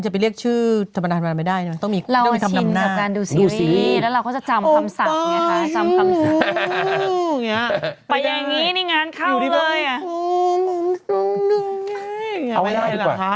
ไปอย่างนี้งานเข้าเลยฮอ